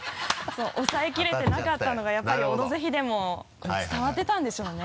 抑え切れてなかったのがやっぱり「オドぜひ」でも伝わってたんでしょうね。